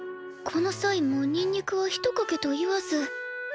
この際もうにんにくはひとかけと言わず。